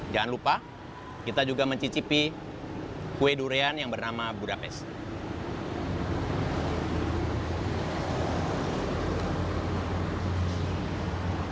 jangan lupa kita juga mencicipi kue durian yang bernama budapest